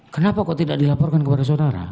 kenapa kok tidak dilaporkan kepada saudara